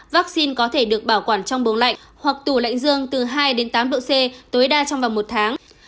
vaccine có thể được bảo quản trong bầu lạnh hoặc tủ lạnh dương từ hai đến tám độ c tối đa trong vòng một tháng